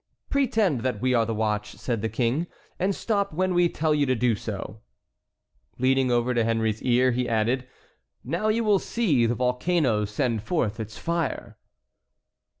"Pretend that we are the watch," said the King, "and stop when we tell you to do so." Leaning over to Henry's ear, he added: "Now you will see the volcano send forth its fire."